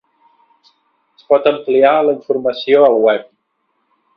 Es pot ampliar la informació al web.